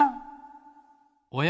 おや？